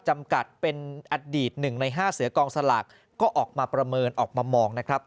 จำกัดเป็นอดีต๑ใน๕เสือกองสลากก็ออกมาประเมินออกมามองนะครับ